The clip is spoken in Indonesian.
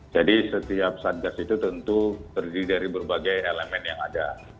jadi setiap satgas itu tentu terdiri dari berbagai elemen yang ada